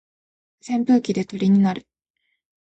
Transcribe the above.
扇風機で鳥になる